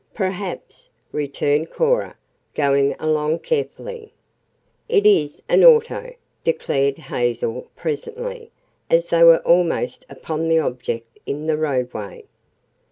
"Perhaps," returned Cora, going along carefully. "It is an auto," declared Hazel presently, as they were almost upon the object in the roadway.